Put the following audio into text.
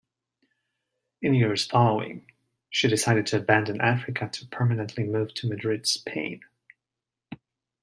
In years following, she decided to abandon Africa to permanently move to Madrid, Spain.